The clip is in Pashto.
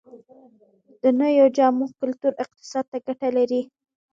د نویو جامو کلتور اقتصاد ته ګټه لري؟